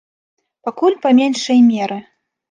Пакуль па меншай меры.